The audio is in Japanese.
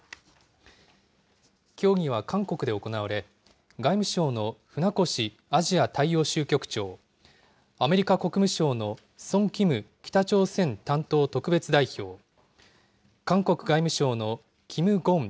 協議は韓国で行われ、外務省の船越アジア大洋州局長、アメリカ国務省のソン・キム北朝鮮担当特別代表、韓国外務省のキム・ゴン